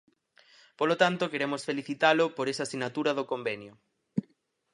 Polo tanto, queremos felicitalo por esa sinatura do convenio.